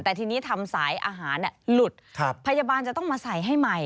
แต่ทีนี้ทำสายอาหารหลุดพยาบาลจะต้องมาใส่ให้ใหม่